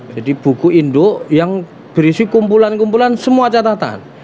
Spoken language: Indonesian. buku induk yang berisi kumpulan kumpulan semua catatan